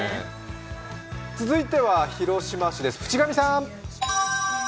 続いては広島市です、渕上さん。